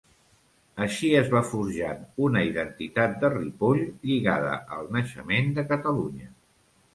Així es va forjant una identitat de Ripoll lligada al naixement de Catalunya.